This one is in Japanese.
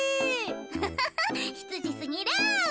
アハハひつじすぎる。